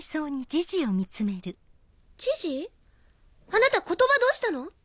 あなた言葉どうしたの？